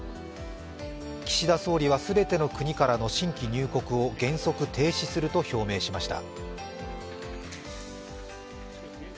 岸田総理は全ての国からの新規入国を減速停止すると表明しました。